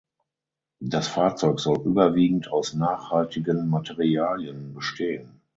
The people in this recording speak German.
Das Fahrzeug soll überwiegend aus nachhaltigen Materialien bestehen.